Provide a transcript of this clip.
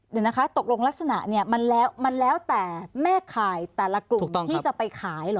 เดี๋ยวนะคะตกลงลักษณะเนี่ยมันแล้วมันแล้วแต่แม่ขายแต่ละกลุ่มที่จะไปขายเหรอ